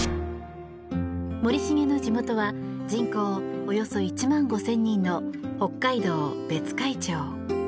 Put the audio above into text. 森重の地元は人口およそ１万５０００人の北海道別海町。